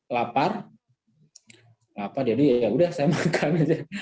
lapar jadi yaudah saya makan